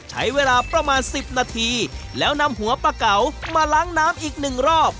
ใช้เวลาประมาณ๑๐นาทีแล้วนำหัวปลาเก๋ามาล้างน้ำอีกหนึ่งรอบ